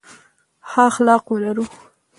ښه اخلاق ولرو.